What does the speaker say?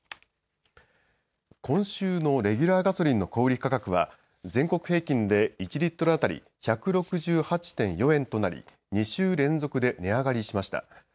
今週のレギュラーガソリンの小売価格は全国平均で１リットル当たり１６８．４円となり２週連続で値上がりしました。